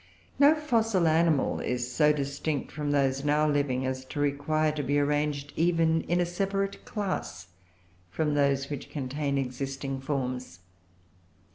No fossil animal is so distinct from those now living as to require to be arranged even in a separate class from those which contain existing forms.